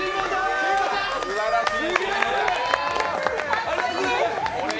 すばらしい。